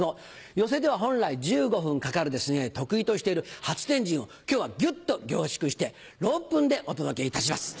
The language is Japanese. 寄席では本来１５分かかる得意としている『初天神』を今日はギュっと凝縮して６分でお届けいたします。